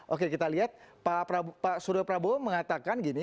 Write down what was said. oke kita lihat pak suryo prabowo mengatakan gini